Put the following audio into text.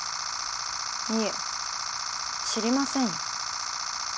いえ知りませんよ。